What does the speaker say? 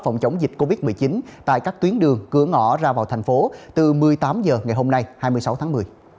phòng chống dịch covid một mươi chín tại các tuyến đường cửa ngõ ra vào thành phố từ một mươi tám h ngày hôm nay hai mươi sáu tháng một mươi